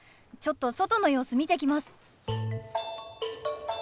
ちょっと外の様子見てきます。